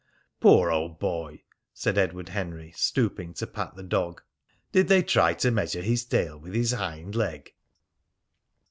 "Poor old boy!" said Edward Henry, stooping to pat the dog. "Did they try to measure his tail with his hind leg?"